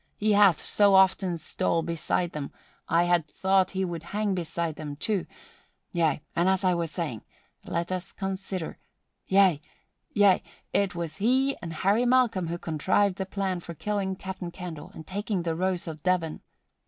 He hath so often stole beside them, I had thought he would hang beside them too. Yea, and as I was saying Let us consider! Yea, yea, it was he and Harry Malcolm who contrived the plan for killing Captain Candle and taking the Rose of Devon.